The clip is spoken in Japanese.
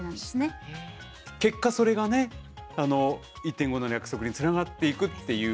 結果それがね「１．５℃の約束」につながっていくっていう。